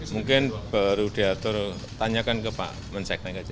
mungkin baru diatur tanyakan ke pak menseknek aja